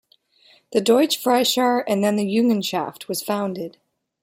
The Deutsche Freischar and then the Jungenschaft was founded.